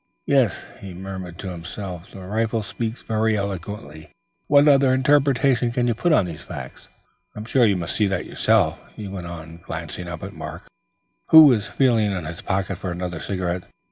Yes," he murmured to himself, "the rifle speaks very eloquently. What other interpretation can be put on these facts? I'm sure you must see that yourself," he went on, glancing up at Mark, who was feeling in his pocket for another cigarette.